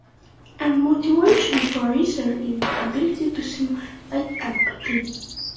A motivation for the research is the ability to simulate empathy.